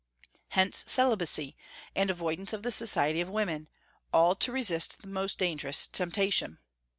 Hence celibacy, and avoidance of the society of women, all to resist most dangerous temptation.